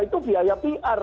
itu biaya pr